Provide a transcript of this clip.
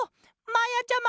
まやちゃま！